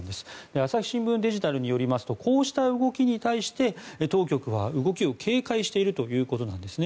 朝日新聞デジタルによりますとこうした動きに対して当局は動きを警戒しているということなんですね。